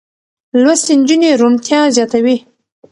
لوستې نجونې روڼتيا زياتوي.